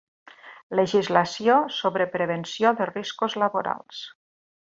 Legislació sobre prevenció de riscos laborals.